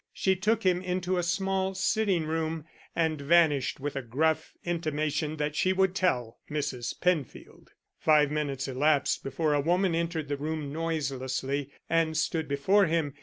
She took him into a small sitting room, and vanished with a gruff intimation that she would tell Mrs. Penfield. Five minutes elapsed before a woman entered the room noiselessly and stood before him.